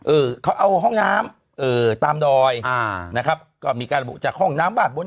เออเขาเอาห้องน้ำเอ่อตามดอยอ่านะครับก็มีการระบุจากห้องน้ำวาดบน